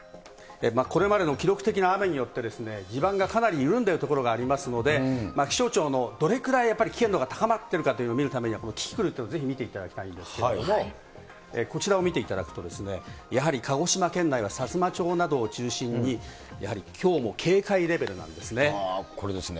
これまでの記録的な雨によって、地盤がかなり緩んでいる所がありますので、気象庁のどれぐらいやっぱり危険度が高まってるのかというのを見るためには、このキキクルというのをぜひ見ていただきたいんですけれども、こちらを見ていただくと、やはり鹿児島県内はさつま町などを中心に、やはりきょうも警戒レベルなんですね。